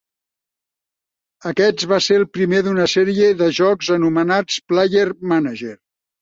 Aquest va ser el primer d'una sèrie de jocs anomenats "Player Manager".